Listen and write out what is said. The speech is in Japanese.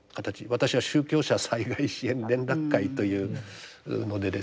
私は宗教者災害支援連絡会というのでですね